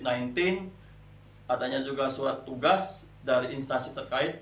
adanya juga surat tugas dari instansi terkait